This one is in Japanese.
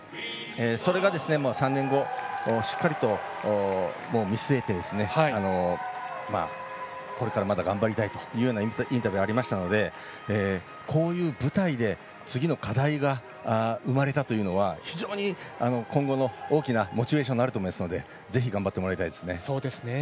それが３年後しっかりと見据えてこれからまた頑張りたいというインタビューがありましたのでこういう舞台で次の課題が生まれたというのは非常に今後の大きなモチベーションになると思いますのでぜひ頑張ってもらいたいですね。